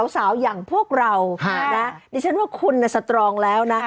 สาวอย่างพวกเราดิฉันว่าคุณสตรองแล้วนะ